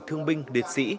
thương binh điệt sĩ